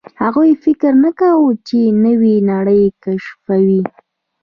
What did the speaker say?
هغوی فکر نه کاوه، چې نوې نړۍ کشفوي.